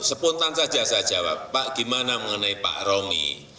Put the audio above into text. spontan saja saya jawab pak gimana mengenai pak romi